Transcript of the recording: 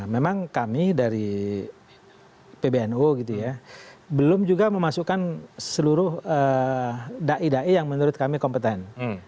memang kami dari pbnu belum juga memasukkan seluruh da'i da'i yang menurut kami kompeten